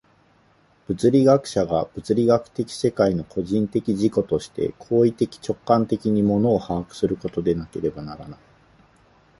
物理学者が物理学的世界の個人的自己として行為的直観的に物を把握することでなければならない。